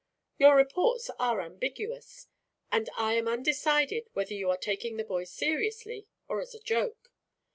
Your reports are ambiguous, and I am undecided whether you are taking the boy seriously or as a joke.